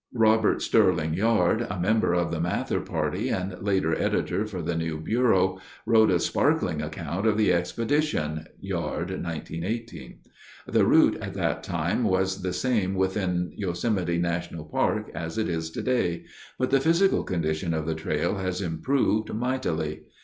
Robert Sterling Yard, a member of the Mather party and later editor for the new bureau, wrote a sparkling account of the expedition (Yard, 1918). The route at that time was the same within Yosemite National Park as it is today, but the physical condition of the trail has improved mightily.